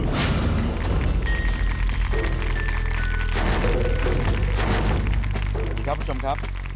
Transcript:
สวัสดีครับคุณผู้ชมครับ